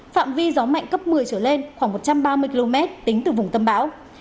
phạm vi gió mạnh cấp một mươi trở lên khoảng một trăm ba mươi km tính từ vùng tâm bão